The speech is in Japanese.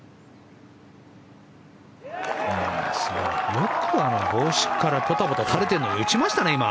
よくあの帽子からポタポタ垂れているのに落ちましたね。